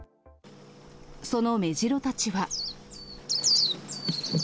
そのメジロたちは。